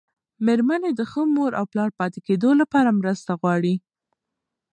مېرمنې د ښه مور او پلار پاتې کېدو لپاره مرسته غواړي.